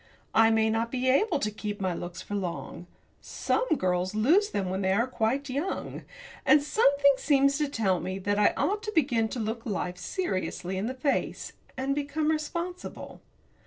I may not be able to keep my looks for long some girls lose them when they are quite young and something seems to tell me that I ought to begin to look life seriously in the face, and become responsible.